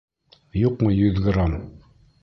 Юҡмы йөҙ грамм?